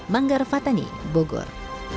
manggar fatani bogor